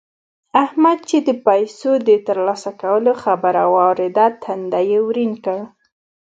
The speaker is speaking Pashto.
احمد چې د پيسو د تر لاسه کولو خبره واورېده؛ تندی يې ورين کړ.